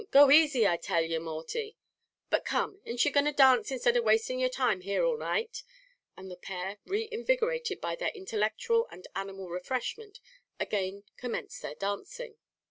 Go asy I tell you, Morty. But come, an't you going to dance instead of wasting your time here all night?" and the pair, re invigorated by their intellectual and animal refreshment, again commenced their dancing.